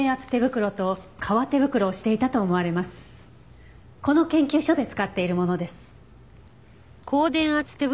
この研究所で使っているものです。